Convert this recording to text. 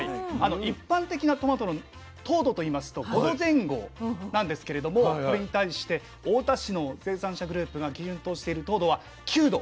一般的なトマトの糖度と言いますと５度前後なんですけれどもこれに対して太田市の生産者グループが基準としてる糖度は９度。